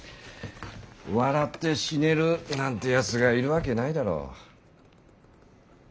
笑って死ねるなんて奴がいるわけないだろう。